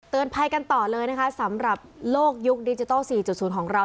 ภัยกันต่อเลยนะคะสำหรับโลกยุคดิจิทัล๔๐ของเรา